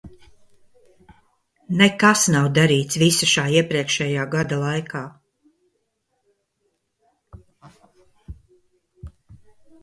Nekas nav darīts visa šā iepriekšējā gada laikā!